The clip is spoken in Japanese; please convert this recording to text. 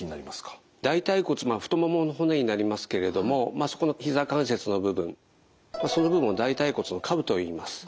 大腿骨太ももの骨になりますけれどもそこのひざ関節の部分その部分を大腿骨の顆部といいます。